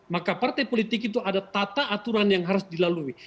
maka partai politik itu ada tata aturan yang harus dilalui